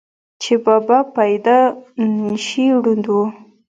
چې بابا پېدائشي ړوند وو،